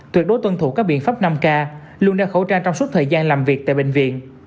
tuyệt đối tuân thủ các biện pháp năm k luôn đeo khẩu trang trong suốt thời gian làm việc tại bệnh viện